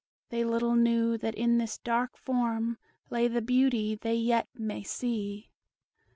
They little knew that in this dark form Lay the beauty they yet may see.